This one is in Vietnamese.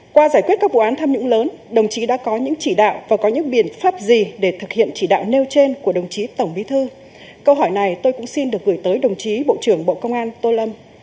qua giải quyết các vụ án tham nhũng lớn đồng chí đã có những chỉ đạo và có những biện pháp gì để thực hiện chỉ đạo nêu trên của đồng chí tổng bí thư câu hỏi này tôi cũng xin được gửi tới đồng chí bộ trưởng bộ công an tô lâm